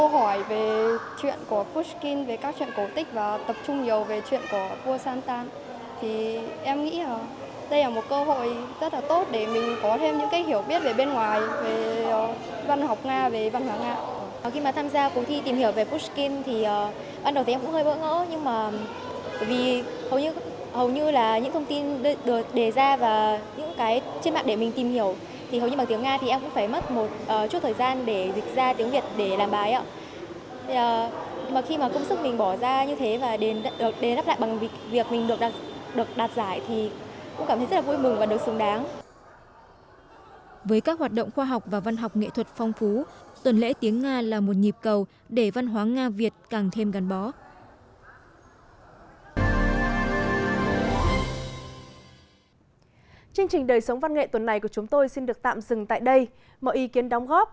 hợp ca hợp ca hợp ca hợp ca hợp ca hợp ca hợp ca hợp ca hợp ca hợp ca hợp ca hợp ca hợp ca hợp ca hợp ca hợp ca hợp ca hợp ca hợp ca hợp ca hợp ca hợp ca hợp ca hợp ca hợp ca hợp ca hợp ca hợp ca hợp ca hợp ca hợp ca hợp ca hợp ca hợp ca hợp ca hợp ca hợp ca hợp ca hợp ca hợp ca hợp ca hợp ca hợp ca hợp ca hợp ca hợp ca hợp ca hợp ca hợp ca hợp ca hợp ca hợp ca hợp ca hợp ca hợp ca h